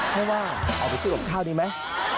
แค่ว่าเอาไปซึกกับข้าวดีมั้ย